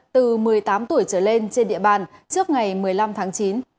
từ một mươi tám tuổi trở lên trên địa bàn trước ngày một mươi năm tháng chín